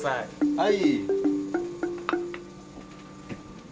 はい。